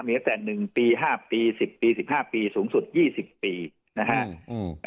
มีตั้งแต่๑ปี๕ปี๑๐ปี๑๕ปีสูงสุด๒๐ปีนะฮะ